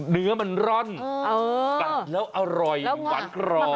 เนื้อมันร่อนกัดแล้วอร่อยหวานกรอบ